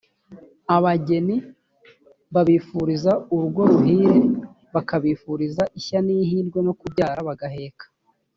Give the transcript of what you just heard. abageni babifuriza urugo ruhire bakabifuriza ishya n’ihirwe no kubyara bagaheka